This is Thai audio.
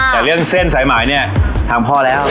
แต่เรื่องเส้นสายหมายเนี่ยทางพ่อแล้ว